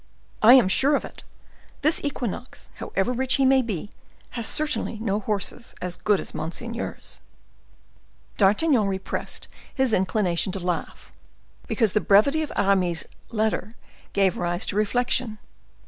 "I am sure of it. This Equinox, however rich he may be, has certainly no horses so good as monseigneur's." D'Artagnan repressed his inclination to laugh, because the brevity of Aramis's letter gave rise to reflection.